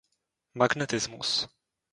Magnetismus